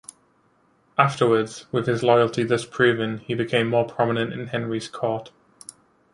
Afterwards, with his loyalty thus proven, he became more prominent in Henry's court.